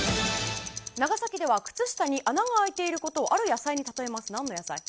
長崎では靴下に穴が開いていることをある野菜に例えます、何の野菜？